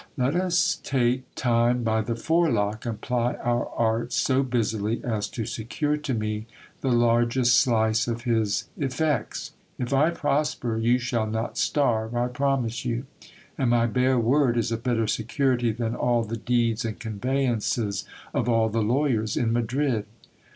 Let us take time by the forelock, and ply our arts so busily as to secure to me the largest slice of his effects. If I prosper, you shall not starve, I promise you ; and my bare word is a better security than all the deeds and conveyances of all the lawyers in Madrid.